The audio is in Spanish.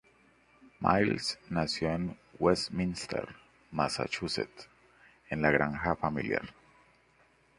Miles nació en Westminster, Massachusetts, en la granja familiar.